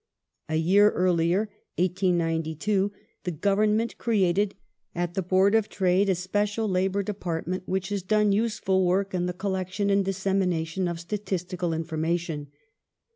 A year earlier (1892) the Government created at the Board of Trade a special Labour de partment which has done useful work in the collection and dis semination of statistical information.